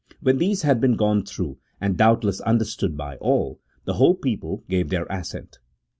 When these had been gone through, and doubt less understood by all, the whole people gave their assent.